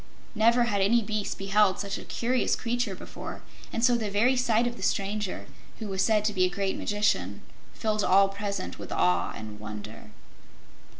Never had any beast beheld such a curious creature before, and so the very sight of the stranger, who was said to be a great magician, filled all present with awe and wonder.